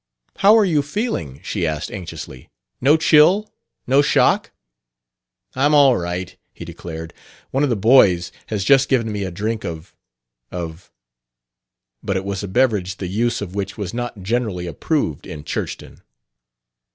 "How are you feeling?" she asked anxiously. "No chill? No shock?" "I'm all right," he declared. "One of the boys has just given me a drink of of " But it was a beverage the use of which was not generally approved in Churchton.